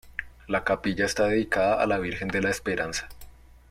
La capilla está dedicada a la Virgen de la Esperanza.